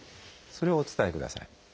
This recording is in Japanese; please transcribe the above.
それをお伝えください。